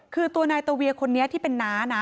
คือตัวนายตะเวียคนนี้ที่เป็นน้านะ